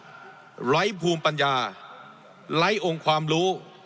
ไร้ภูมิปัญญาไร้องค์ความรู้